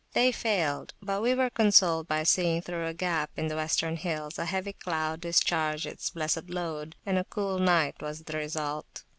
They failed; but we were consoled by seeing through a gap in the Western hills a heavy cloud discharge its blessed load, and a cool night was the result.